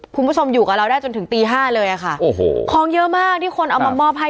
คุณผู้ชมอยู่กับเราได้จนถึงตีห้าเลยอ่ะค่ะโอ้โหของเยอะมากที่คนเอามามอบให้